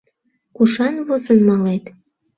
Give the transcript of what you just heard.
- Кушан возын малет?